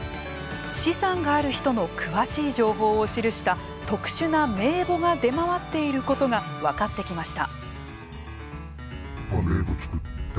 資産がある人の詳しい情報を記した特殊な名簿が出回っていることが分かってきました。